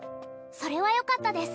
それはよかったです